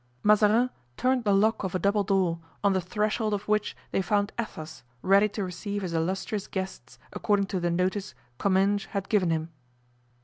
Mazarin turned the lock of a double door, on the threshold of which they found Athos ready to receive his illustrious guests according to the notice Comminges had given him.